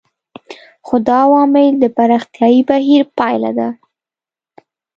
خو دا عوامل د پراختیايي بهیر پایله ده.